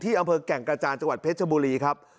อำเภอแก่งกระจานจังหวัดเพชรบุรีครับ